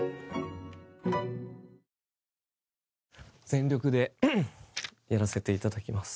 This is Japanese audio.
全力でやらせていただきます。